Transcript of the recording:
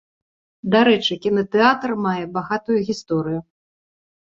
Дарэчы, кінатэатр мае багатую гісторыю.